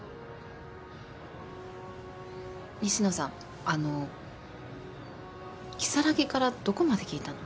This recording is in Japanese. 西野さんあの如月からどこまで聞いたの？